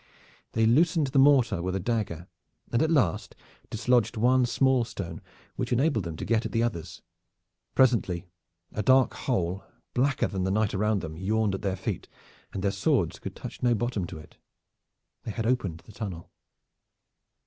They loosened the mortar with a dagger, and at last dislodged one small stone which enabled them to get at the others. Presently a dark hole blacker than the night around them yawned at their feet, and their swords could touch no bottom to it. They had opened the tunnel.